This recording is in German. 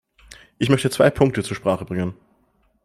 Ich möchte zwei Punkte zur Sprache bringen.